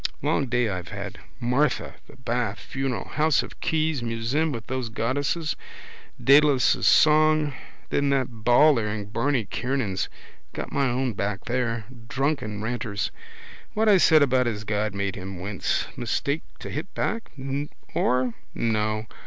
Long day I've had. Martha, the bath, funeral, house of Keyes, museum with those goddesses, Dedalus' song. Then that bawler in Barney Kiernan's. Got my own back there. Drunken ranters what I said about his God made him wince. Mistake to hit back. Or? No.